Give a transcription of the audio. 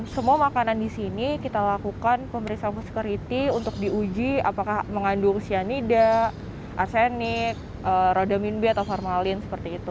semua makanan di sini kita lakukan pemeriksaan security untuk diuji apakah mengandung cyanida arsenik rodamin b atau formalin seperti itu